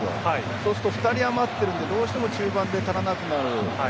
そうすると２人余っているのでどうしても中盤で足りなくなる。